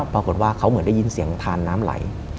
ปรากฏว่าเขาเหมือนได้ยินเสียงทานน้ำไหล